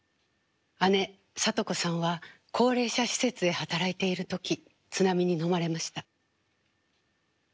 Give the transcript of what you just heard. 姉聡子さんは高齢者施設で働いている時津波にのまれました。